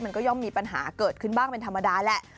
มันก็ย่อมมีปัญหาเกิดขึ้นบ้างเป็นธรรมดาแหละ